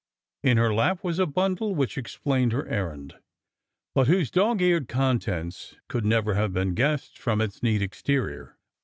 In her lap was a bundle which explained her errand, but whose dog eared contents could never have been guessed from its neat exterior.